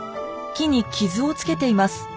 木に傷をつけています。